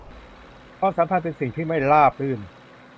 ความสัมพันธ์เป็นสิ่งที่ไม่ราบรื่น